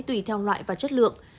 tùy theo loại và chất lượng